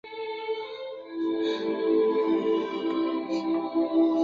它亦适合用作数学教学。